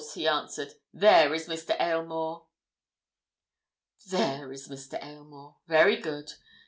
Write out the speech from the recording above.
he answered. "There is Mr. Aylmore." "There is Mr. Aylmore. Very good.